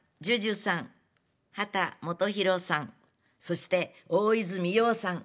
ＪＵＪＵさん秦基博さんそして大泉洋さん。